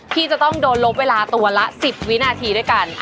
ที่จะต้องโดนลบเวลาตัวละ๑๐วินาทีด้วยกัน